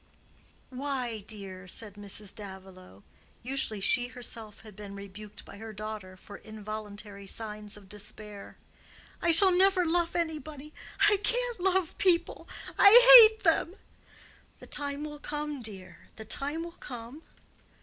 "Why, dear?" said Mrs. Davilow. Usually she herself had been rebuked by her daughter for involuntary signs of despair. "I shall never love anybody. I can't love people. I hate them." "The time will come, dear, the time will come."